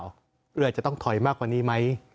เรือจะต้องถอยมากกว่านี้ไหม